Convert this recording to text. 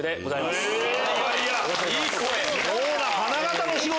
花形の仕事。